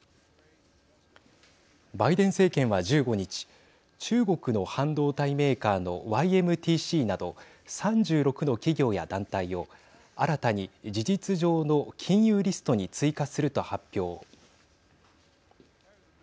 バイデン政権は１５日中国の半導体メーカーのＹＭＴＣなど３６の企業や団体を新たに事実上の禁輸リストに追加すると発表。